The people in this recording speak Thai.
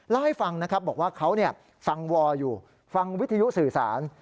เล่าให้ฟังนะครับบอกว่าเขาฟังวอลอยู่ฟังวิทยุสื่อสาร